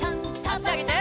あしあげて。